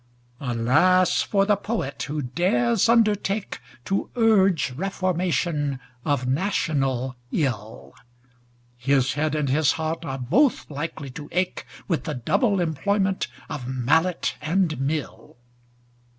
Alas for the Poet, who dares undertake To urge reformation of national ill! His head and his heart are both likely to ache With the double employment of mallet and mill.